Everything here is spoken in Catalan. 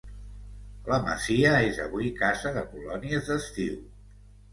La masia és avui casa de colònies d'estiu.